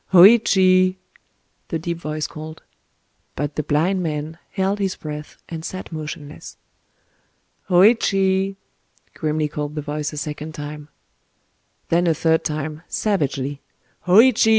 "Hōïchi!" the deep voice called. But the blind man held his breath, and sat motionless. "Hōïchi!" grimly called the voice a second time. Then a third time—savagely:— "Hōïchi!"